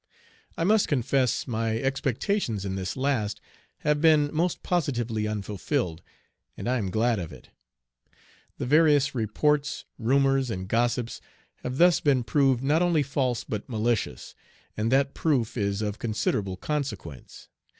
I must confess my expectations in this last have been most positively unfulfilled, and I am glad of it. The various reports, rumors, and gossips have thus been proved not only false but malicious, and that proof is of considerable consequence.